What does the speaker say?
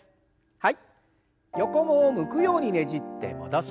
はい。